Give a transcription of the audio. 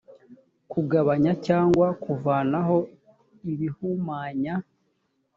kugabanya cyangwa kuvanaho ibihumanya